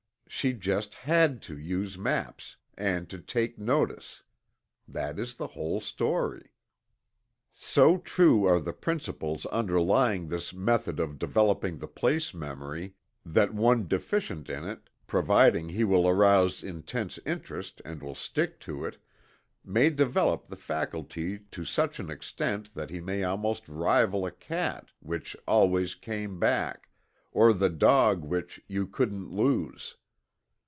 She "just had to" use maps and to "take notice." That is the whole story. So true are the principles underlying this method of developing the place memory, that one deficient in it, providing he will arouse intense interest and will stick to it, may develop the faculty to such an extent that he may almost rival the cat which "always came back," or the dog which "you couldn't lose."